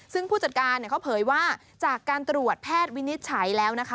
ซึ่งผู้จัดการเขาเผยว่าจากการตรวจแพทย์วินิจฉัยแล้วนะคะ